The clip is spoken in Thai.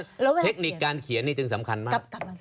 เพราะฉะนั้นเทคนิคการเขียนนี่จึงสำคัญมาก